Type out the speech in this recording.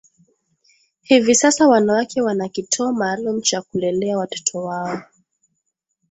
Hivi sasa wanawake wana kituo maalum cha kulelea watoto wao